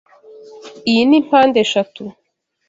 Iyi ni mpandeshatu.